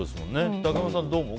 竹山さん、どう思う。